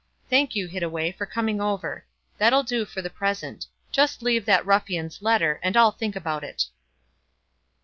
Thank you, Hittaway, for coming over. That'll do for the present. Just leave that ruffian's letter, and I'll think about it."